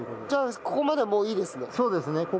じゃあここまではもういいですね。